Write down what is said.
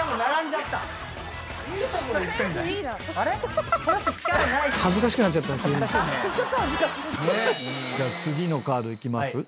じゃあ次のカードいきます？